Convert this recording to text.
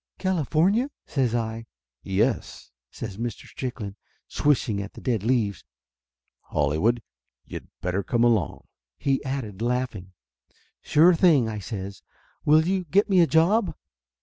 "California?" says I. "Yes," says Mr. Strickland, swishing at the dead leaves. "Hollywood. You'd better come along," he added, laughing. "Sure thing!" I says. "Will you get me a job?"